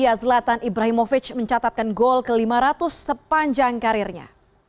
asia selatan ibrahimovic mencatatkan gol ke lima ratus sepanjang karirnya